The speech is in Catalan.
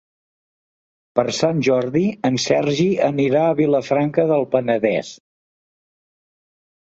Per Sant Jordi en Sergi anirà a Vilafranca del Penedès.